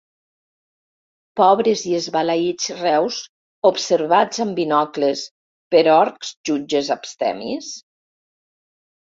Pobres i Esbalaïts Reus Observats amb Binocles per Orcs Jutges Abstemis?